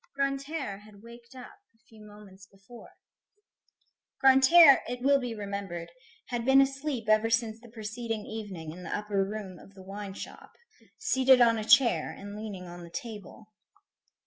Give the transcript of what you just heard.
Grantaire had waked up a few moments before. Grantaire, it will be remembered, had been asleep ever since the preceding evening in the upper room of the wine shop, seated on a chair and leaning on the table.